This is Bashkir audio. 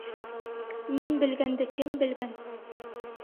Мин белгәнде кем белгән?